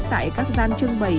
tại các gian trưng bày